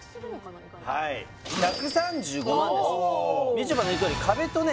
みちょぱの言うとおり壁とね